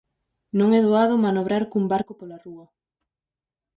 Non é doado manobrar cun barco pola rúa.